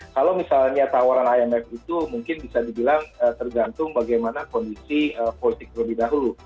kalau misalnya tawaran imf itu mungkin bisa dibilang tergantung bagaimana kondisi politik terlebih dahulu